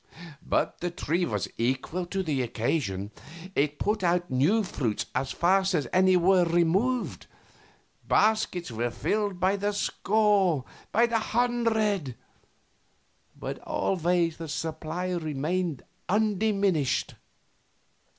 But the tree was equal to the occasion; it put out new fruits as fast as any were removed; baskets were filled by the score and by the hundred, but always the supply remained undiminished.